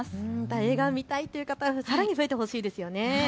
映画、見たいという方さらに増えてほしいですね。